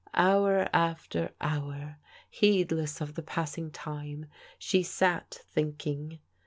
Hour after hour, heedless of the passing time, she sat thinking.